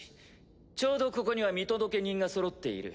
ちょうどここには見届け人がそろっている。